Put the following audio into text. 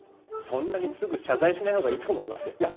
そんなにすぐ謝罪しない方がいいと思いますよ。